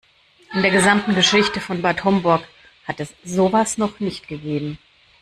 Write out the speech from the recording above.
In der gesamten Geschichte von Bad Homburg hat es sowas noch nicht gegeben.